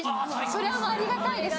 それはもうありがたいです。